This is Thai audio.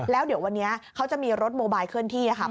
แล้วเดี๋ยววันนี้เขาจะมีรถโมบายเคลื่อนที่ค่ะ